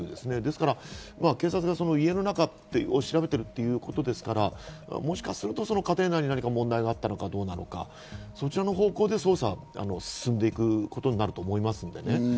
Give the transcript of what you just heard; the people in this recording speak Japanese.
ですから警察が家の中とおっしゃっているということですから、もしかすると家庭内に問題があったのか、そちらの方向で捜査が進んでいくことになると思いますのでね。